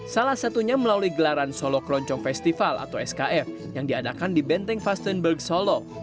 salah satunya melalui gelaran solo keroncong festival atau skf yang diadakan di benteng fastenberg solo